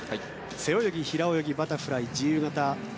背泳ぎ、平泳ぎ、バタフライ自由形。